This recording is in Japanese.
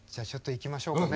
行きましょうか。